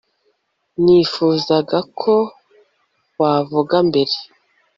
nifuzaga ko wavuga mbere